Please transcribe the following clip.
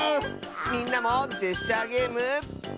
みんなもジェスチャーゲーム。